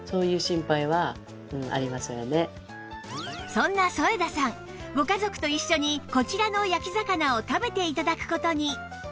そんな添田さんご家族と一緒にこちらの焼き魚を食べて頂く事に